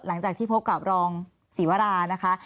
หลังจากที่พบกับรองศรีวรานะคะ